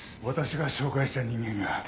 私が紹介した人間が。